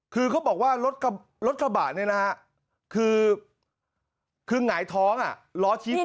คือเขาบอกว่ารถกระบาดเนี่ยนะฮะคือคือหงายท้องอ่ะล้อชี้ป๊าเลย